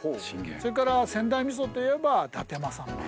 それから仙台みそといえば伊達政宗。